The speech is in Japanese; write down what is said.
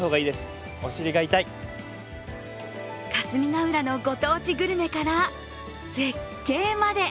霞ヶ浦のご当地グルメから絶景まで。